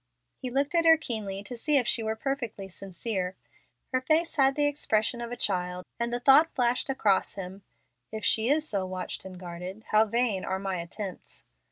He looked at her keenly to see if she were perfectly sincere. Her face had the expression of a child, and the thought flashed across him, "If she is so watched and guarded, how vain are my attempts!"